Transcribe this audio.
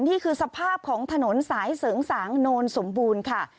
นี่คือสภาพของถนนสายเสริงสางโนนสมบูรณ์ค่ะ